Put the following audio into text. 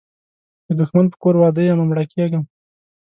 د دښمن په کور واده یمه مړه کیږم